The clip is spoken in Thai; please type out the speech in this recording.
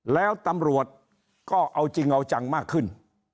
แล้วตำรวจก็เอาจริงเอาจังมากขึ้น